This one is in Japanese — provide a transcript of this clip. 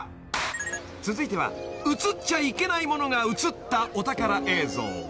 ［続いては映っちゃいけない物が映ったお宝映像］